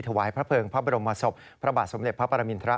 ถวายพระเภิงพระบรมศพพระบาทสมเด็จพระปรมินทร